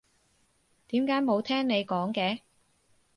點解冇聽你講嘅？